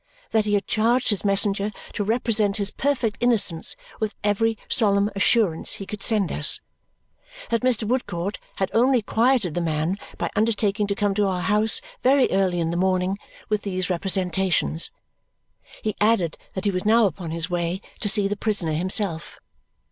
That he had charged his messenger to represent his perfect innocence with every solemn assurance he could send us. That Mr. Woodcourt had only quieted the man by undertaking to come to our house very early in the morning with these representations. He added that he was now upon his way to see the prisoner himself.